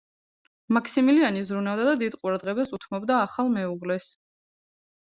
მაქსიმილიანი ზრუნავდა და დიდ ყურადღებას უთმობდა ახალ მეუღლეს.